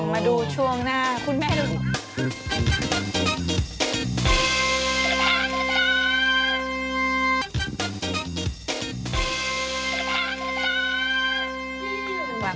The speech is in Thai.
มาดูช่วงหน้าคุณแม่หนูค่ะ